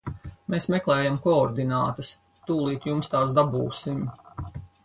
Mēs meklējam koordinātas, tūlīt jums tās dabūsim.